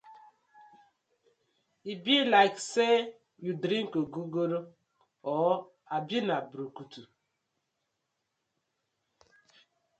E bi like say yu dring ogogoro or abi na brukutu.